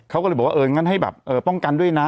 เขาก็เลยบอกว่าเอองั้นให้แบบป้องกันด้วยนะ